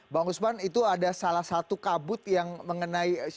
bang usman itu ada salah satu kabut yang mengenai